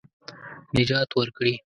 نجات ورکړي.